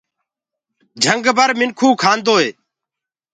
جھنگ بر منکو کاندوئي